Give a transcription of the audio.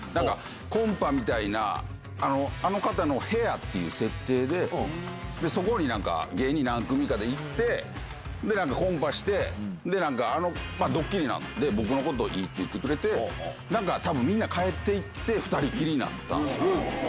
コンパみたいな、あの方の部屋っていう設定で、そこになんか、芸人何組かで行って、コンパして、で、なんか、ドッキリなんで、僕のことをいいって言ってくれて、なんかたぶん、みんな帰っていって、２人きりになったんですよ。